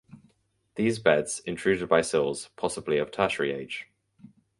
These beds intruded by sills possibly of Tertiary age.